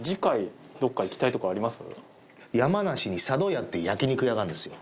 山梨に佐渡屋っていう焼き肉屋があるんですよ